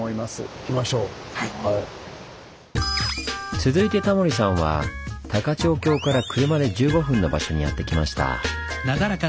続いてタモリさんは高千穂峡から車で１５分の場所にやって来ました。